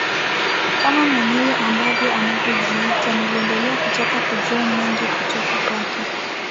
kama mwenyewe ambavyo anavyojiita niliendelea kutaka kujua mengi kutoka kwake